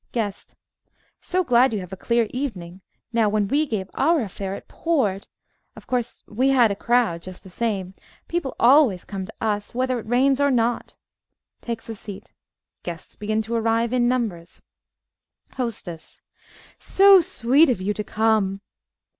_) GUEST So glad you have a clear evening. Now, when we gave our affair, it poured. Of course, we had a crowd, just the same. People always come to us, whether it rains or not. (Takes a seat. Guests begin to arrive in numbers.) HOSTESS So sweet of you to come!